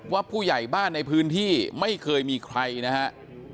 ผู้ใหญ่บ้านในพื้นที่ไม่เคยมีใครนะฮะ